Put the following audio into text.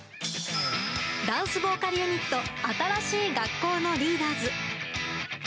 ダンスボーカルユニット、新しい学校のリーダーズ。